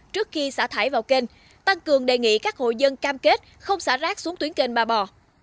trước khi xả thải vào kênh tăng cường đề nghị các hội dân cam kết không xả rác xuống tuyến kênh ba bò